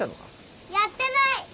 やってない！